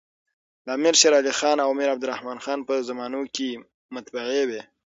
د امیر شېرعلي خان او امیر عبدالر حمن په زمانو کي مطبعې وې.